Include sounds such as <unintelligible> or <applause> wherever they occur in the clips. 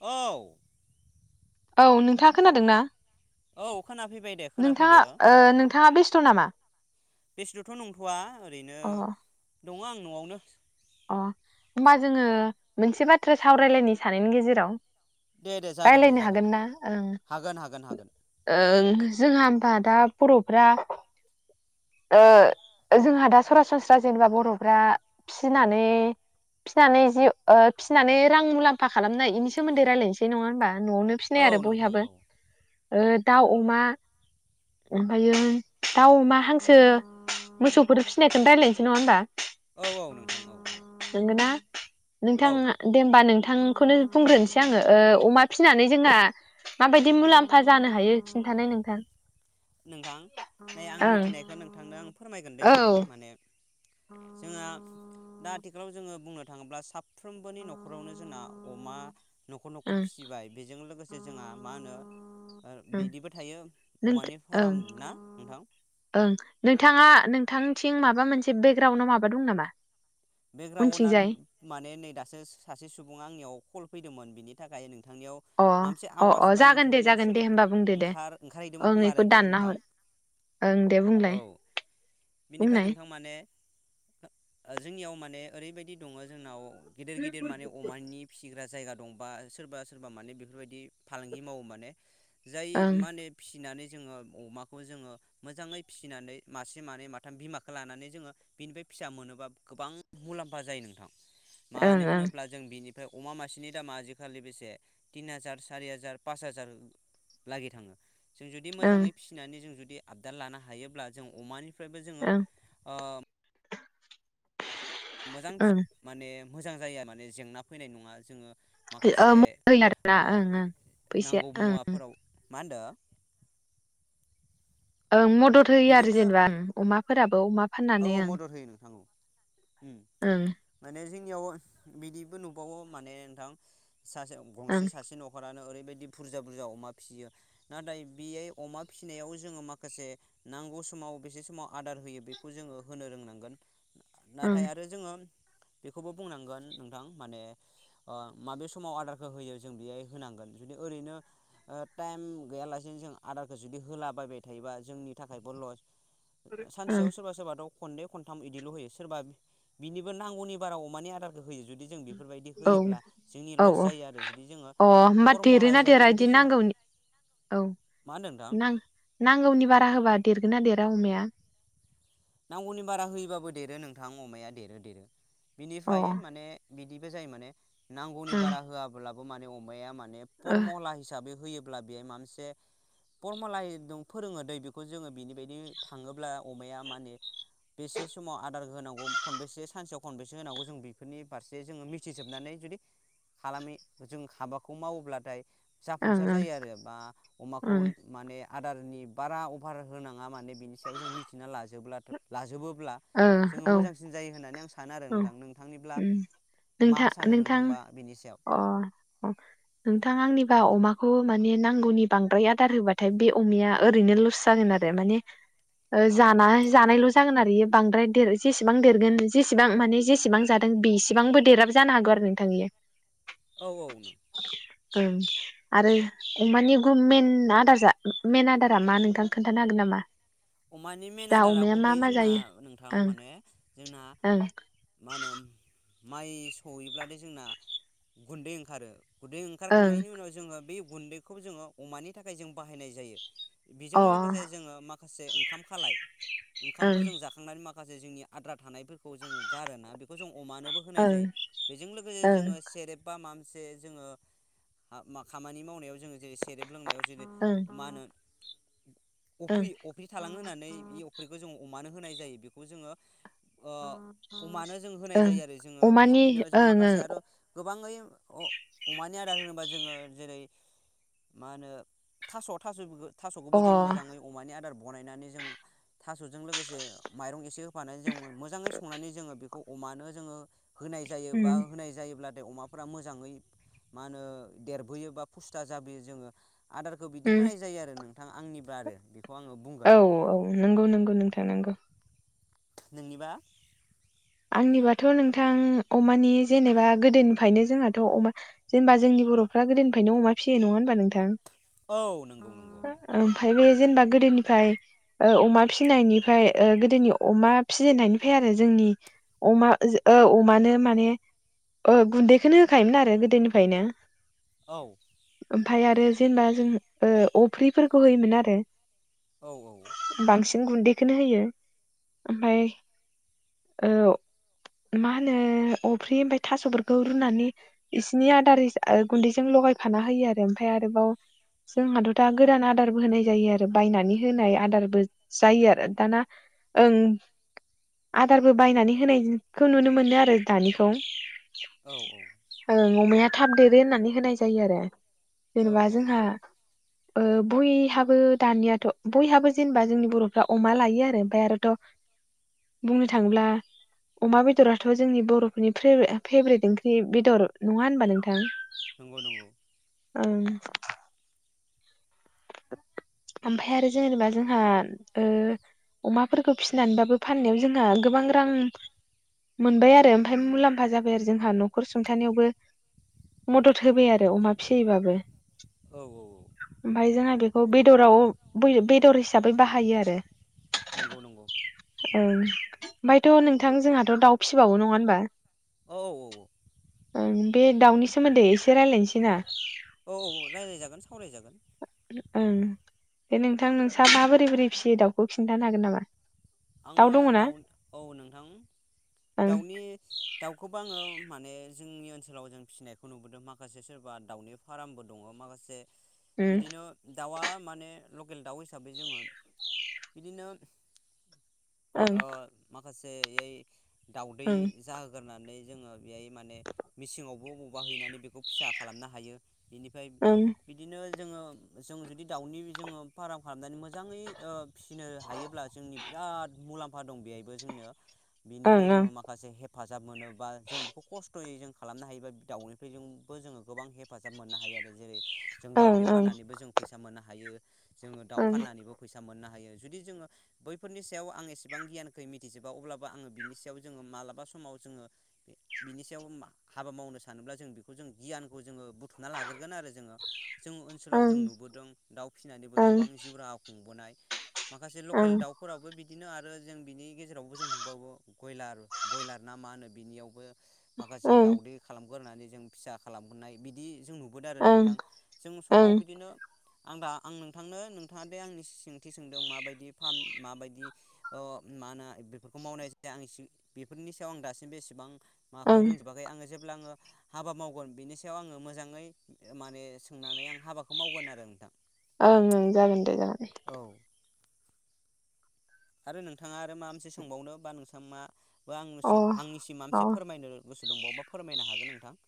औ औ नोंथाङा खोनादों ना औ खोनाफैबाय दे खोनाफैदो नोंथाङा नोंथाङा बेस्थ' नामा बेस्थ'थ' नंथ'वा ओरैनो अ दङ आं न'आवनो अ होमबा जोङो मोनसे बाथ्रा सावरायलायनो सानैनि गेजेराव दे दे जागोन दे रायलायनो जागोन हागोन ना ओं हागोन हागोन हागोन ओं जोंहा दा बर'फ्रा ओ जोंहा दा सरासनस्रा जेनेबा बर'फ्रा फिनानै फिनानै जि ओ फिनानै रां मुलाम्फा खालामनाय बेनि सोमोन्दै रायज्लायनोसै नङा होमबा न'आवनो फिसिनाय आरो औ नोंथां बयहाबो औ ओ दाउ अमा ओमफायो दाउ अमा हांसो मोसौफोर फिसिनायखौनो रायज्लायनोसै नङा होमबा औ औ नोंथां औ नंगोना औ नोंथाङा दे होमबा नोंथांखौनो बुंग्रोनोसै आङो ओ अमा फिनानै जोंहा माबायदि मुलाम्फा जानो हायो खिन्थानाय नोंथां नोंथां नै आं ओं मिथिनायखौ नोंथांनो आं फोरमायगोनदैे औ नोंथां माने जोंहा दा आथिखालाव जोङो बुंनो थाङोब्ला साफ्रोमबोनि न'खरावनो जोंना अमा न'खर न'खर ओं फिसिबाय बेजों लोगोसे जे जोंहा मा होनो ओं बिदिबो थायो नों अमानि फार्म ओं ना नोंथां ओं नोंथाङा नोंथांथिं माबा मोनसे बेकग्राउडआव माबा दं नामा बेकग्राउआ उनथिंजाय माने नै दासो सासे सुबुंआ आंनियाव कल फैदोंमोन बिनि थाखाय नों नोंथांनियाव अ माबा मोनसे अ आवास अ बा जागोन दे नोंथांनियाव जागोन दे सोदोब होमबा बुंदो ओं दे ओंखार ओंखारहैदोंमोन ओं खोमा बेखौ आरो द दानना नोंथां हर ओं दे बुंलाय औ बिनिफ्राय बुंनाय नोंथां माने जोंनियाव माने ओरैबायदि दङ जोंनाव गिदिर गिदिर माने अमानि फिसिग्रा जायगा दंबा सोरबा सोरबा माने बेफोरबायदि फालांगि मावो माने जाय ओं माने फिसिनानै जोङो अमाखौ जोङो मोजाङै फिसिनानै मासे मानै माथाम बिमाखौ लानानै जोङो बिनिफ्राय फिसा मोनोबा गोबां मुलाम्फा जायो नोंथां ओं मानो ओं होनोब्ला जों बिनि अ अमा मासेनि दामा आजिखालि बेसे तिन हाजार सारि हाजार पास हाजार लागि थाङो जों जुदि ओं मोजाङै फिसिनानै जों जुदि बे आबदाल लानो हायोब्ला जों अमानि निफ्रायबो जोङो ओं ओ मोजां फिसा ओं माने मोजां जायो माने जेंना फैनाय नङा जोङो माखासे ओं ओं ओ ओं फैसाया ओंं माहोनदो ओं म मद होयो आरो जेनेबां अमा फोराबो अमा औ फाननानै औ ओं मदद होयो नोंथां औ उम ओं माने जोंनियाव बिदिबो नुबावो माने नोंथां सासे गंसे ओं सासे न'खरानो ओरै बायदि बुरजा बुरजा अमा फिसियो नाथाय बेयै अमा फिसिनायाव जोङो माखासे नांगौ समाव बेसे समाव आदार होयो बे खौ जोङो होनो रोंनांगोन ओं नाथाय आरो जोङो बेखौबो बुंनांगोन नोंथां माने ओ माबे समाव आदारखौ होयो जों बेहाय होनांगोन जुदि ओरैनो ओ टाइम गैयालासेनो जों आदारखौ जुदि होलाबायबाय थायोबा जोंनि थाखायबो लस ओं सानसेयाव सोरबा सो थ खननै खनथाम इदिल' होयो सोरबा बिनिबो नांगौनि बाराव अमानि आदारखौ होयो जुदि जों बेफोरबायदि औ होयोब्ला जोंनि औ लस औ जायो आरो जुदि जोङो अ होमबा फरमुला देरोना हिसाबै देरा जुदि इदि जोङो नांगौनि मा होनदों नोंथां औ नांगौनि बारा होबा देरग ना देरा अमाया नांगौनि बारा होयोबाबो देरो नोंथां अमाया देरो देरो अ बिनिफाय ओं माने बिदिबो जायो माने नांगौनि बारा ओ होआब्लाबो माने अमाया मान ने फरमला हिसाबै होयोब्ला बेहाय माबा मोनसे करमलाइ द फोरोङो दै बेखौ जोङो बिनि बायदि थाङोब्ला अमाया माने बेसे समाव आदार होनांगौ खनबेसे सानसेयाव खनबेसे होनांगौ जों बेफोरनि फारसे जोङो मिथिजोबनानै जुदि खालामै जों हाबाखौ मावोब्लाथाय ओं जाफुंसार ओं जायो आरो बा अमाखौ ओं माने आदारनि बारा अफार होनाङा माने बिनि सायाव जों मिथिना लाजोबब्लाथ' लाजोबो ब्ला जों ओ औ मोजांसिन जायो होननानै आं सानो आरो औ नोंथां नोंथांनिब्ला उम मा नोंथां सानो नोंथां नोंथांबा बेनि सायाव बा अमाखौ माने नांगौनि बांद्राय आदार होबाथाय बे अमाया ओरैनो लस जागोन आरो माने ओ जाना- जानायल' जागोन आरो बांद्राय देर जेसेबां देरगोन जेसेबां माने जेसेबां जादों बेसिबांबो देराबो जानो हागौ आरो नोंथां इयो औ औ ओं आरो अमानि गु मेन आदार जा मेन आदारा मा नोंथां खोन्थानो हागोन नामा? अमानि मेन जा आदारा अमाया मा गुबै मा जोंना जायो? नों थां ओं माने जोंना ओं मा होनो माइ सहैब्लाथाय जोंना गुन्दै ओंखारो उदै ओंखारखांनायनि उनाव जोङो बे गुन्दैखौ जोङो अमानि थाखाय जों बाहायनाय जायो बेजों लोगोसे ओं जोङो माख ओंखाम खालाय ओंखामखौ जों जाखांनानै माखासे जोंनि आद्रा थानायफोरखौ जोङो गारोना बेखौ जों अमानोबो अ होनाय ओं जायो बेजों लोगोसे ओं जोङो सेरेब बा मा से जोङो आ मा खामानि मावनायाव जोङो जेरै सेरेब लोंनायाव जेरै ओं मा होनो <unintelligible> ओं <unintelligible> होनानै बे अफ्रिखौ जोङो अमानो होनाय जायो बेखौ जोङो ओ अमानो जों होनाय ओं जायो आरो जोङो अमानि बिदिनो जों ओं माखासे आरो गोबाङै अ अमानि आदार होनोबा जोङो जेरै मा होनो थास' थास' थास'खौबो ओं जों अ मोजाङै अमानि आदार बनायनानै जों थास'जों लोगोसे माइरं एसे <unintelligible> जों मोजाङै संनानै जोङो बेखौ अमानो जोङो होनाय जायो बा उम होनाय जायोब्ला नाथाय अमाफोरा मोजाङै मा होनो देरबोयो बा फुस्था जाबोयो जोङो आदारखौ बिदि उम होनाय जायो आरो नो थां आंनि बा आरो बेखौ आङो बुंगोन औ औ नंगौ नंगौ नोंथां नंगौ नोंनिबा आंनिबाथ' नोंथां अमानि जेनेबा गोदोनिफ्रायनो जोंहाथ' अमा जेनेबा जोंनि बर'फ्रा गोदोनिफ्रायनो अमा फिसियो नङा होनबा नोंथां औ नोंगौ नोंगौ ओमफ्राय बे जेनेबा गोदोनिफाय ओ अमा फिसिनायनिफाय ओ गोदोनि अमा फिजेननायनिफाय आरो जोंनि अमा जो ओ अमानो माने ओ गुन्दैखौनो होखायोमोन आरो गोदोनिफायनो औ ओमफाय आरो जेनेबा जों ओ अफ्रिफोरखौ होयोमोन आरो औ बांसिन गुन्दैखौनो होयो ओमफ्राय औ मा होनो अफ्रि ओमफ्राय थास'फोरखौ रुनानै इसिनि आदार गुन्दैजों लगायफाना होयो आरो ओमफ्राय आरोबाव जोंहाथ' दा गोदान आदारबो होनाय जायो आरो बायनानै होनाय आदारबो जायो आरो दाना ओं आदारबो बायनानै होनायखौ नुनो मोनो आरो दानिखौ औ ओं अमाया थाब देरो होननानै होनाय जायो आरो औ जेनेबा औ औ जोंहा ओ बयहाबो दानियाथ' बयहाबो जेनेबा जोंनि बर'फ्रा अमा लायो आरो ओमफ्राय आरोथ' बुंनो थाङोब्ला अमा बेदराथ' जोंनि बर'फोरनि फेभरेट ओंख्रि बेदर नङा होनबा नोंथां नंगौ नंगौ ओमफ्राय आरो जेनेबा जोंहा ओ अमाफोरखौ फिनानैबाबो फाननायाव जोंहा गोबां रां <inaudible> मोनबाय आरो ओमफ्राय मुलाम्फा जाबाय आरो जोंहा न'खर सुंथानायावबो मदद होबाय आरो अमा फियैबाबो औ औ ओमफाय जोंहा बे बेदराव बेदर हिसाबै बाहायो आरो नंगौ नंगौ औ ओमफायथ' नों नोंथां जोंहाथ दाउ फिबावो नङा होनबा औ औ ओं बे दाउनि सोमोन्दै एसे रायजल्लायनोसै ना औ औ रायज्लायजागोन सावरायजागोन ओं बे नोंथां नोंस्रा माबोरै बोरै फिसियो दाउखौ खिन्थानो हागोन नामा आङो दङ ना दाउ औ नोंथां ओं दाउनि दाउखौबो आङो माने जोंनि ओनसोलाव जों फिसिनायखौ नुबोदों माखासे सोरबा दाउनि फार्मबो दङ माखासे उम बिदिनो दाउआ माने लकेल दाउ हिसाबै जोङो बिदिनो अ म माखासेयै दाउदै जाहोग्रोनानै जोङो बेहाय माने मेसिनावबो बाहायनानै बेखौ फिसा खालामनो हायो बेनिफाय ओं ओं बिदिनो जोङो जों जुदि दाउनि जोङो फार्म खालामनानै मोजाङै ओ फिसिनो हायोब्ला जोंनि बिराद मुलाम्फा दं बेहायबो जोंनो बेनिफ्राय जोङो माखासे हे हेफाजाब मोनोबा जों बेखौ खस्थ'यै जों खालामनो हायोबा दाउैनिफ्रायजोंबो जोङो गोबां हेफाजाब मोननो हायो आरो जेरै जों दावदै ओं फाननानैबो जों फैसा मोननो हायो जोङो दाउ ओं ओं फनानैबो फैसा मोननो हायो जुदि जोङो बै फोरनि सायाव आं एसेबां गियानखौै मिथिजोबा अब्लाबो आङो बिनि सायाव जोङो मालाबा समाव जोङो बिनि सायाव हाबा मावनो सानोब्ला जों बेखौ जों गियानखौ जोङो बुथुमना लाग्रोगोन आरो जोङो जों ओनसोलाव जों ओं नुबोदों दाउ फिसिनानैबो ओं गोबां जिउ राहा खुंबोनाय माखासे लकेल दाउ बिदिनो आरो जों बिनि गेजेरावबो जों नुबावो बयलार बयलार ना मा होनो बिनियावबो माखासे ओं दाावदै खालाम गोरनानै जों फिसा खालामनाय बिदि जों नु नुबोदों आरो ओं ओं नोंथां जों समाव ओं बिदिनो आं दा आं नोंथांनो नोंथाङा दे आंनि सोंथि सोंदों माबायदि फारम माबायदि अ मा होनो बेफोरखौ मावनाय जायो आं बेफोरनि सायाव आं दासिमबो एसेबां माबाखौ ओं रोंजोबाखै आङो जेब्ला आङो हाबा मावगोन बिनि सायाव आङो मोजाङै माने सोंनानै आं हाबाखौ मावगोन आरो नोंथां ओं ओं जागोन दे जागोन औ आरो नोंथाङा आरो मा मोनसे सोंबावनो बा नोंथाङा मा बा अ आंनोसो आंनिसिम माबा अ मोनसे फोरमायनो गोसो दंबावोबा फोरमायनो हागोन नों थां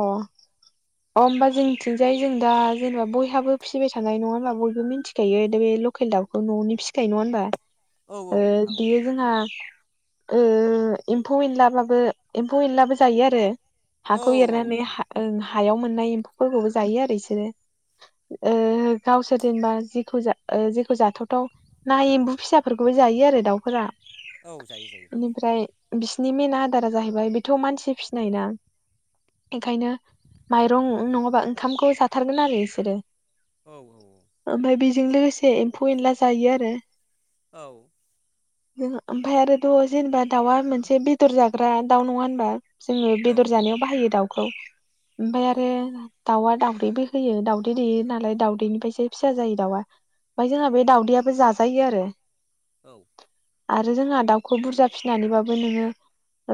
अ अ होमबा जोंनिथिंजाय जों दा जेनेबा बयहाबो फिसिबाय थानाय नङा होनबा बयबो मिथिखायो दा बे लकेल दाउखौ न'आवनि फिसिखायो नङा होनबा औ ओ औ नोंथां औ बियो जोंहा ओ एम्फौ एनला बाबो एम्फौ एनलाबो जायो आरो खौ औ एरनानै नोंथां हायाव मोननाय एम्फौफोरखौबो जायो आरो इसोरो ओ गावसोर जेनबा जेखौ ओ जेखौ जाथावथाव ना एम्फौ फिसाफोरखौबो जायो आरो दाउफोरा औ जायो जायो बेनिफ्राय बिसिनि मेन आदारा जाहैबाय बेथ' मानसि फिसिनाय ना ओंखायनो माइरं नङाबा ओंखामखौ जाथारगोन आरो इसोरो औ औ औ ओमफ्राय बेजों लोगोसे एम्फौ एनला जायो आरो औ जों ओमफ्राय आरोथ' जेनेबा दाउआ मोनसे बेदर जाग्रा दाउ नङा होनबा जोङो औ बेदर जानायाव बे दावखौ औ ओमफाय आरो दाउआ दाउदैबो होयो दाउदै दैेयो नालाय दाउदैनिफ्रायसो फिसा जायो दाउआ ओमफाय जोंहा बे दाउदैयाबो जाजायो आरो औ आरो जोंहा दाउखौ बुरजा फिसिनानैबाबो नोङो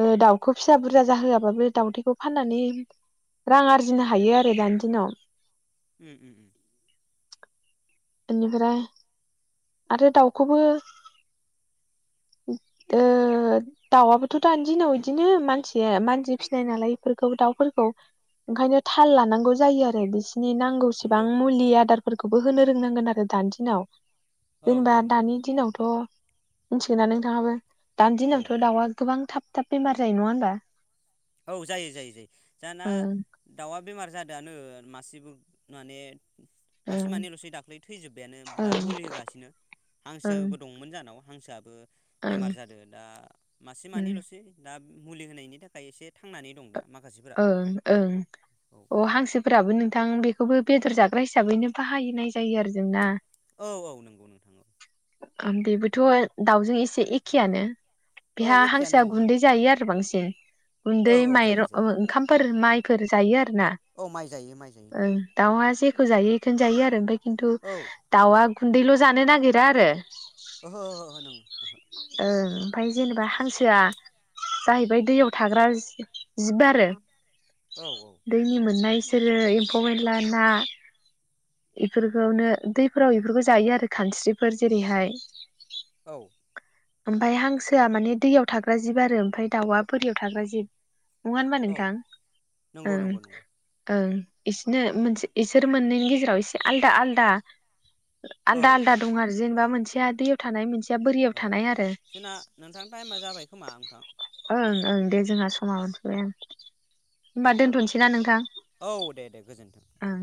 ओ दाउखौ फिसा बुरजा जाहोआबाबो दाउखौ फाननानै रां आरजिनो हायो आरो दानि दिनाव उम उम उम ओनिफ्राय आरो दाउखौबो ओ दाउआबोथ' दानि दिनाव बिदिनो मानसिया मानसि फिसिनाय नालाय बेफोरखौ दाउफोरखौ ओंखायनो थाल लानांगौ जायो आरो बिस नि नांगौसिबां नंगौ मुलि नोंथां आदारफोरखौ बो होनो फोरोंनांगोन आरो दानि दिनाव औ औ जेनेबा नंगौ दानि दिनावथ' मिथिगोना नोंथाङाबो दानि औ दिनावथ' दाउआ गोबां थाब थाब बेमार जायो नङा होनबा औ जायो जायो जायो जाना ओं दाउआ बेमार जादोंआनो मासेबो माने मासे ओं मानैल'सै दाख्लै थैजोब्बायानो दा ओं मुलि होगासिनो ओं हांसोबो दंमोन जानाव हांसोआबो ओं बेमार जादो दा मासे मानैल'सै दा मुलि होनायनि थाखाय एसे थांनानै दं दा माखासेफोरा ओं ओं औ अ हांसोफोराबो नों थां बेखौबो बेदर जाग्रा हिसाबैनो बाहायनाय जायो आरो जोंना औ औ नोंगौ नोंथां औ बेबोथ' दाउजों एसे एखेयानो औ बेहा एखेयानो हांसोया नोंथां गुन्दै जायो आरो बांसिन गुन्दै औ औ जायो माइरं जायो ओंखामफोर माइफोर जायो आरो ना औ माइ जायो माइ जायो ओं दाउहा जेखौ जायो इखौनो जायो आरो ओमफाय खिन्थु औ दाउ आ गुन्दैल' जानो नागिरा आरो ओहो ओहो नोंथां ओहो ओं ओमफाय जेनेबा हांसोआ जाहैबाय दैयाव थाग्रा जिब आरो औ दैनि मोननाय बिसोरो एम्फौ एनला ना इफोरखौनो दैफोराव इफोरखौ जायो आरो खानस्रिफोर जेरैहाय औ ओमफाय हांसोआ माने दैयाव थाग्रा जिब आरो ओमफ्राय दाउआ बोरियाव थाग्रा जिब नङा होनबा औ नोंथां नंगौ ओं नंगौ नंगौ ओं इसिनो मोनसे इसोर मोननैनि गेजेराव एसे आलदा आलदा औ आलदा आलदा दं आरो जेनेबा मोनसेया दैयाव थानाय मोनस जोंना नोंथां टाइमा जाबाय खोमा नोंथां। ओं ओं दे जोंहा समाबो होमबा दोनथ'सैना नोंथां। औ दे दे गोजोनथों। ओं